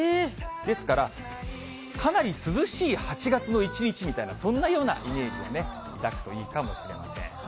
ですから、かなり涼しい８月の一日みたいなそんなようなイメージをね、抱くといいかもしれません。